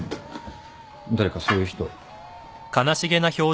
誰かそういう人。